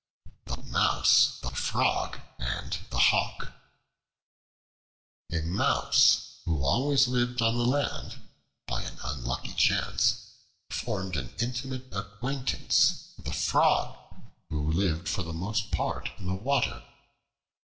The Mouse, the Frog, and the Hawk A MOUSE who always lived on the land, by an unlucky chance formed an intimate acquaintance with a Frog, who lived for the most part in the water.